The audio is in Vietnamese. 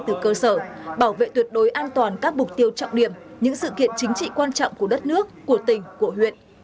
tuyệt đối an toàn các mục tiêu trọng điểm những sự kiện chính trị quan trọng của đất nước của tỉnh của huyện